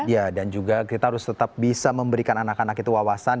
ya dan juga kita harus tetap bisa memberikan anak anak itu wawasan